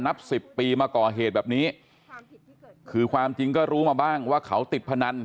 นับสิบปีมาก่อเหตุแบบนี้คือความจริงก็รู้มาบ้างว่าเขาติดพนัน